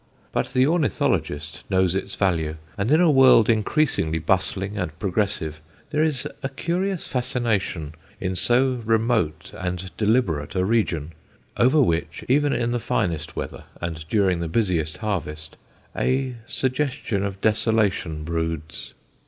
But the ornithologist knows its value, and in a world increasingly bustling and progressive there is a curious fascination in so remote and deliberate a region, over which, even in the finest weather and during the busiest harvest, a suggestion of desolation broods.